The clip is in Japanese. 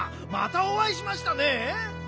またおあいしましたね。